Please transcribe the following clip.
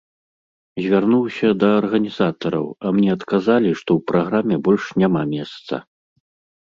Звярнуўся да арганізатараў, а мне адказалі, што ў праграме больш няма месца.